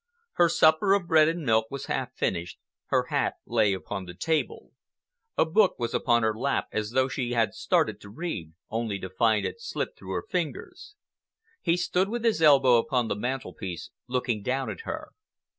Her supper of bread and milk was half finished, her hat lay upon the table. A book was upon her lap as though she had started to read only to find it slip through her fingers. He stood with his elbow upon the mantelpiece, looking down at her.